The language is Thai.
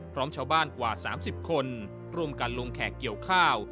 พร้อมชาวบ้านกว่า๓๐คนร่วมกันลงแขกเกี่ยวข้าว